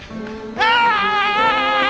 はい。